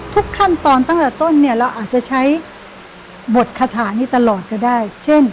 ทุกขั้นตอนตั้งแต่ต้นเนี่ยเราอาจจะใช้บทคาถานี้ตลอดก็ได้เช่น